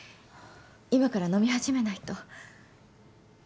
今から飲み始めないと。